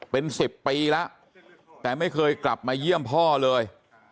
เป็น๑๐ปีแล้วแต่ไม่เคยกลับมาเยี่ยมพ่อเลย